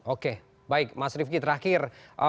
oke baik mas rifki terakhir